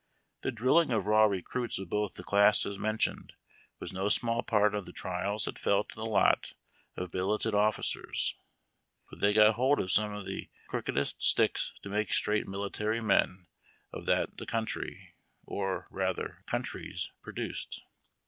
The drilling of raw recruits of both the classes mentioned was no small part of the trials that fell to the lot of billeted officers, for they got hold of some of the crookedest sticks to make straight military men of that the country — or, rather, comitries — produced.